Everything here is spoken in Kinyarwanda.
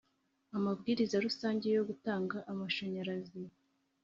Amabwiriza rusange yo gutanga amashanyarazi